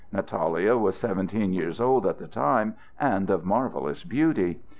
Natalia was seventeen years old at the time, and of marvellous beauty.